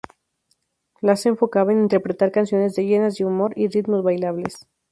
La se enfocaba en interpretar canciones de llenas humor y ritmos bailables.